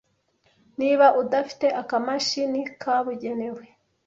Niba udafite akamashini kabugenewe